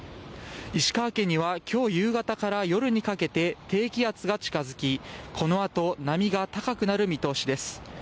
石川県には今日夕方から夜にかけて低気圧が近付きこのあと波が高くなる見通しです。